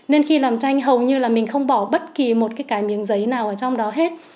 nên khi làm tranh hầu như là mình không bỏ bất kỳ một cái miếng giấy nào ở trong đó hết